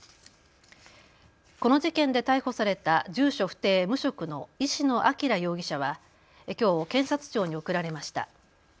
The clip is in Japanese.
この事件で逮捕された住所不定、無職の石野彰容疑者はきょう検察庁に送られました。